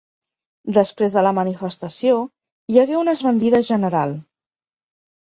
Després de la manifestació hi hagué una esbandida general.